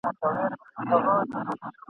نوروز راسي زېری نه وي پر وزر د توتکیو !.